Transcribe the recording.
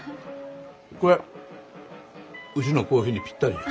これうちのコーヒーにぴったりじゃ。